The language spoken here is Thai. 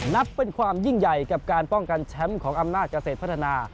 นับเป็นความยิ่งใหญ่กับการป้องกันแชมป์ของอำนาจเกษตรพัฒนา